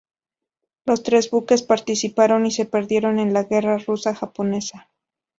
Los tres buques, participaron y se perdieron en la guerra ruso-japonesa.